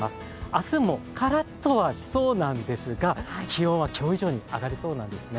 明日もカラッとはしそうなんですが、気温は今日以上に上がりそうなんですね。